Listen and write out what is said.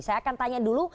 saya akan tanya dulu